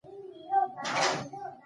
راځه لمانځه ته